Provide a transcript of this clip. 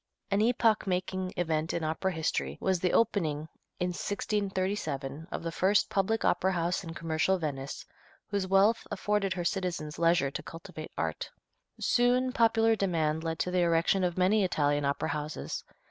An epoch making event in opera history was the opening, in 1637, of the first public opera house in commercial Venice whose wealth afforded her citizens leisure to cultivate art. Soon popular demand led to the erection of many Italian opera houses.